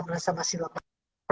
merasa masih lemah